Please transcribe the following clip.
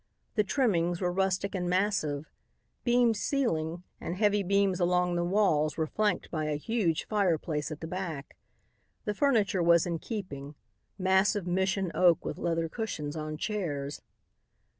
The trimmings were rustic and massive. Beamed ceiling and heavy beams along the walls were flanked by a huge fireplace at the back. The furniture was in keeping, massive mission oak with leather cushions on chairs.